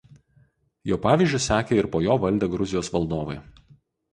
Jo pavyzdžiu sekė ir po jo valdę Gruzijos valdovai.